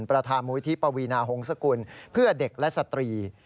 ประธานมูลที่ปวีนาหงษกุลเพื่อเด็กและสตรี